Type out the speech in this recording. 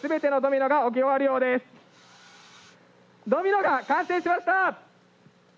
ドミノが完成しました！